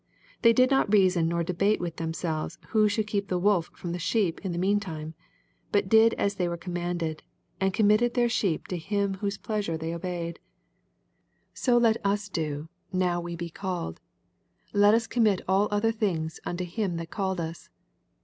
They did not reason nor debate with themselyes who should iEeep the wolf from the sheep in tiie meantime, but did as they were commanded, and committed their sheep to him whose pleasure they obeyed. So let us do, now we be called ; let us commit all other things unto him that called us.